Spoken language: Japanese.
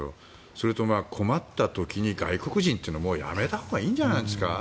それと、困った時に外国人っていうのもうやめたほうがいいんじゃないですか？